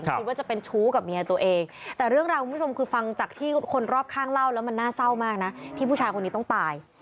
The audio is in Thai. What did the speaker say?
คิดว่าจะเป็นชู้กับเมียตัวเองแต่เรื่องราวคุณผู้ชมคือฟังจากที่คนรอบข้างเล่าแล้วมันน่าเศร้ามากนะที่ผู้ชายคนนี้ต้องตาย